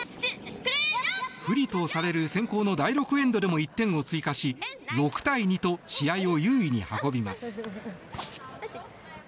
不利とされる先攻の第６エンドでも１点を追加し、６対２と試合を優位に運びます。